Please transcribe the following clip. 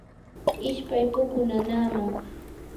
ishpay pukuu nanaaman.